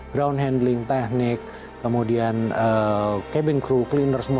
ground handling teknik kemudian cabin crew cleaner semua